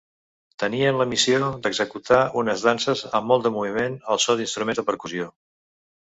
Tenien la missió d'executar unes danses amb molt de moviment al so d'instruments de percussió.